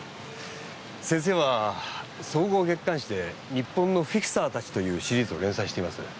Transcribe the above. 先生は総合月刊誌で「日本のフィクサーたち」というシリーズを連載しています。